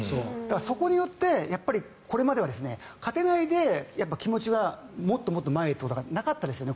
そこによってこれまでは勝てないで気持ちがもっと前へということはなかったですよね